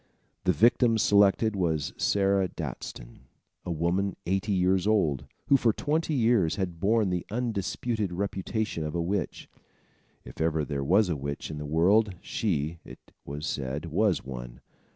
The victim selected was Sarah Daston, a woman eighty years old, who, for twenty years, had borne the undisputed reputation of a witch. If ever there was a witch in the world, she, it was said, was one.